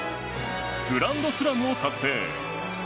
グランドスラムを達成！